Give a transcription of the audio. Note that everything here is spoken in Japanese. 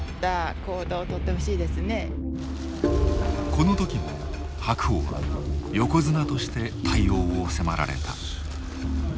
この時も白鵬は横綱として対応を迫られた。